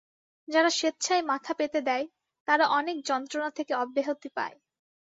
যারা স্বেচ্ছায় মাথা পেতে দেয়, তারা অনেক যন্ত্রণা থেকে অব্যাহতি পায়।